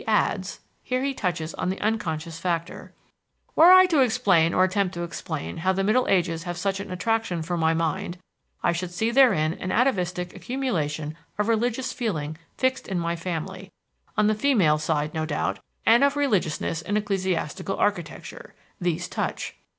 adds (here he touches on the unconscious factor): "Were I to explain or attempt to explain how the Middle Ages have such an attraction for my mind, I should see therein an atavistic accumulation of religious feeling fixed in my family, on the female side no doubt, and of religiousness in ecclesiastical architecture these touch.